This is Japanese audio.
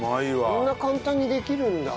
こんな簡単にできるんだ。